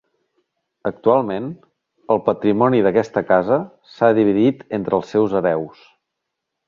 Actualment, el patrimoni d'aquesta casa s'ha dividit entre els seus hereus.